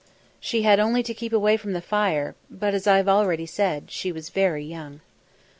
She had only to keep away from the fire, but, as I have already said, she was very young.